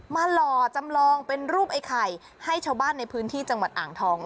หล่อจำลองเป็นรูปไอ้ไข่ให้ชาวบ้านในพื้นที่จังหวัดอ่างทอง